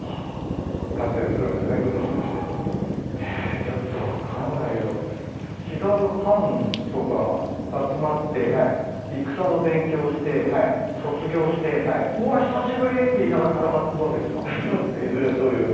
ちょっと分かんないけど違う藩とか集まって戦の勉強して卒業して「うわ久しぶり」って言いながら戦うわけですか？